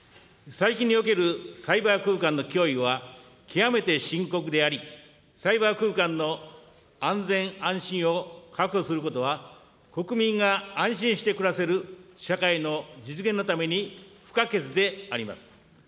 最近におけるサイバー空間の脅威は、極めて深刻であり、サイバー空間の安全、安心を確保することは、国民が安心して暮らせる社会の実現のために不可欠であります。